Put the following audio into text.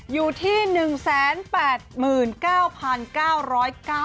อยู่ที่๑๘๙๙๙๔ไลค์นะคะ